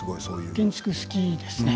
建築好きですね。